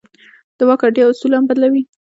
د واک اړتیا اصول هم بدلوي.